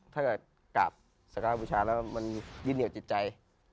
ถ้ากลับสการบุชาติแล้วมันยิ้นเหนียวจิตใจ